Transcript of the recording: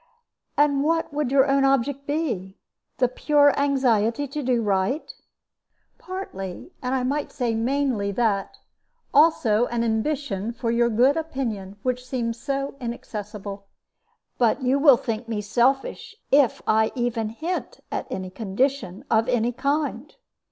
"And what would your own object be? The pure anxiety to do right?" "Partly, and I might say mainly, that; also an ambition for your good opinion, which seems so inaccessible. But you will think me selfish if I even hint at any condition of any kind.